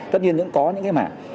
tất nhiên vẫn có những cái mạng